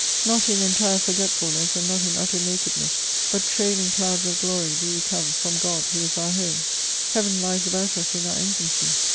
Not in entire forgetfulness, And not in utter nakedness, But trailing clouds of glory do we come From God, who is our home: Heaven lies about us in our infancy!